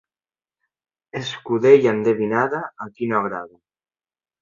Escudella endevinada a qui no agrada.